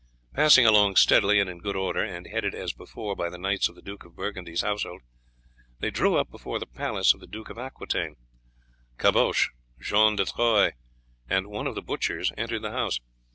Passing along steadily and in good order, and headed as before by the knights of the Duke of Burgundy's household, they drew up before the palace of the Duke of Aquitaine. Caboche, John de Troyes, and one of the butchers entered the house.